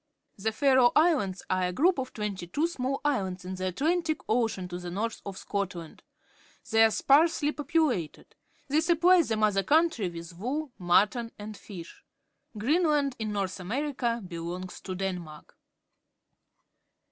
The Faroe Islands are a group of twenty two small islands in the Atlantic Ocean to the north of Scotland. They are sparsely populated. They supply the mother country with wool, mutton, and fish. Greenland, in North America, belongs to Denmark.